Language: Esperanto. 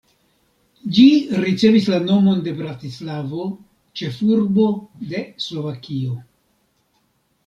Ĝi ricevis la nomon de Bratislavo, ĉefurbo de Slovakio.